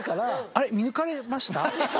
あれっ？見抜かれました？